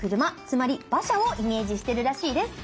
つまり馬車をイメージしてるらしいです。